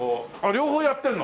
両方やってるの？